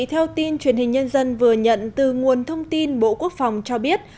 theo tin truyền hình nhân dân vừa nhận từ nguồn thông tin bộ quốc phòng cho biết